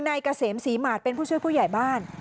ในกระเสมสีหมาดเป็นผู้ช่วยผู้ใหญ่บ้าน